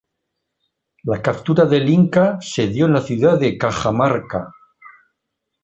La captura del inca se dio en la ciudad de Cajamarca.